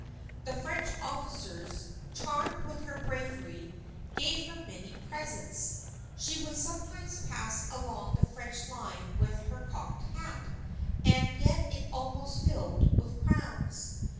The French officers, charmed with her bravery, gave her many presents. She would sometimes pass along the French line with her cocked hat, and get it almost filled with crowns.